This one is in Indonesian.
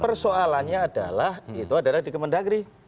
persoalannya adalah itu adalah di kemendagri